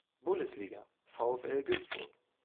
Bundesliga: VfL Günzburg.